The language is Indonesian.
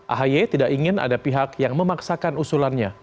ahy tidak ingin ada pihak yang memaksakan usulannya